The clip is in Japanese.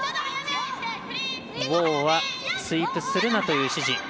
ウォーはスイープするなという指示。